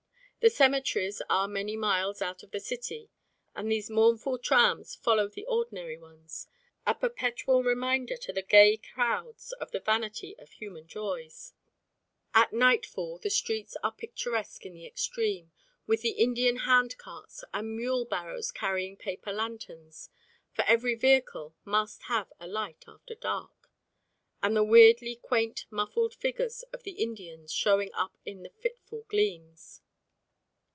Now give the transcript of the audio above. The cemeteries are many miles out of the city and these mournful trams follow the ordinary ones, a perpetual reminder to the gay crowds of the vanity of human joys. At nightfall the streets are picturesque in the extreme with the Indian handcarts and mule barrows carrying paper lanterns (for every vehicle must have a light after dark), with the weirdly quaint muffled figures of the Indians showing up in the fitful gleams.